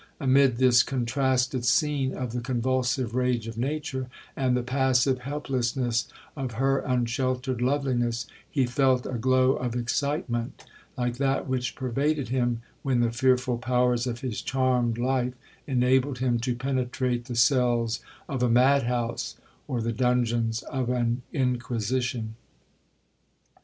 Amid this contrasted scene of the convulsive rage of nature, and the passive helplessness of her unsheltered loveliness, he felt a glow of excitement, like that which pervaded him, when the fearful powers of his 'charmed life' enabled him to penetrate the cells of a madhouse, or the dungeons of an Inquisition.